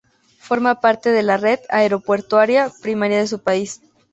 Forma parte de la red aeroportuaria primaria de su país.